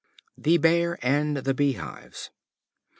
The Bear and the Bee Hives.